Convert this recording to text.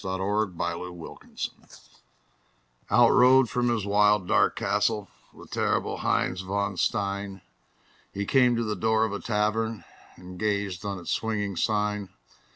_ THE LEGEND OF HEINZ VON STEIN Out rode from his wild, dark castle The terrible Heinz von Stein; He came to the door of a tavern And gazed on its swinging sign.